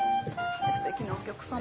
すてきなお客様。